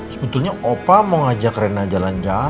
sebetulnya opa mau ngajak rena jalan jalan